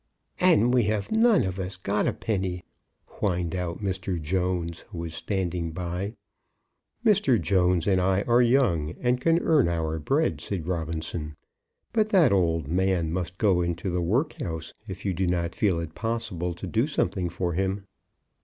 "And we have none of us got a penny," whined out Mr. Jones, who was standing by. "Mr. Jones and I are young, and can earn our bread," said Robinson; "but that old man must go into the workhouse, if you do not feel it possible to do something for him."